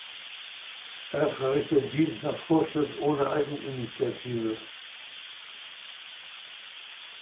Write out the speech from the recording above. Er verrichtet Dienst nach Vorschrift ohne Eigeninitiative.